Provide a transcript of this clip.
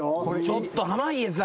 ちょっと濱家さん。